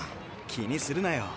気にするなよ。